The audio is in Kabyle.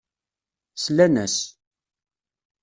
Slan-as.